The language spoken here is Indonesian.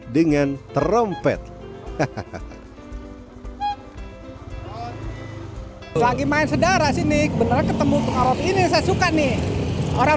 dengan trompet hahaha lagi main sedara sini beneran ketemu pengawas ini saya suka nih orang